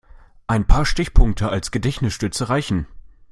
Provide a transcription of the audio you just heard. Ein paar Stichpunkte als Gedächtnisstütze reichen.